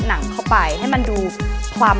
หนังเข้าไปให้มันดูความ